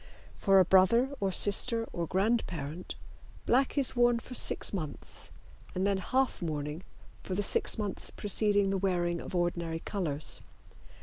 For a brother or sister or grandparent black is worn for six months, and then half mourning for the six months preceding the wearing of ordinary colors.